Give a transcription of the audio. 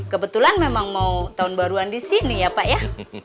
kebetulan memang mau tahun baruan disini ya pak ya